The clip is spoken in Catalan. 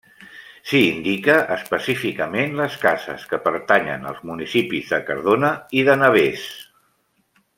S'hi indica específicament les cases que pertanyen als municipis de Cardona i de Navès.